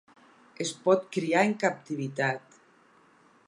Es pot criar en captivitat.